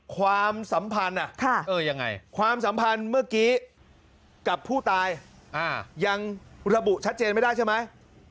ความสัมพันธ์ความสัมพันธ์เมื่อกี้กับผู้ตายยังระบุชัดเจนไม่ได้ใช่ไหม